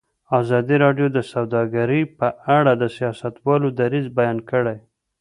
ازادي راډیو د سوداګري په اړه د سیاستوالو دریځ بیان کړی.